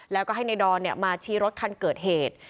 แล้วก็ให้ในดอนมาชี้รถคันเกิดเหตุ